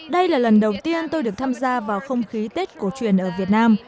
đây là lần đầu tiên tôi được tham gia vào không khí tết cổ truyền ở việt nam